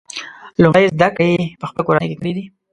لومړۍ زده کړې یې په خپله کورنۍ کې کړي دي.